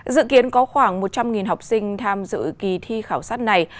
dự kiến có khoảng một trăm linh học sinh tham dự kỳ thi khảo sát này